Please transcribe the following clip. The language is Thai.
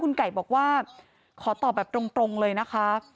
คุณไก่บอกว่าขอตอบแบบตรงเลยนะคะ